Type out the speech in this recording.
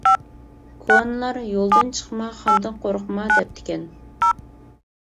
-كونىلار يولدىن چىقما، خاندىن قورقما دەپتىكەن.